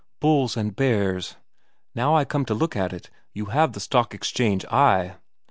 Bulls and bears. Now I come to look at it, you have the Stock Exchange eye.'